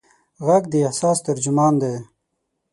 غږ د احساس ترجمان دی.